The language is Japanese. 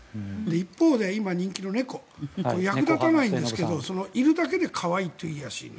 一方で今人気の猫役立たないんですけどいるだけで可愛いという癒やし。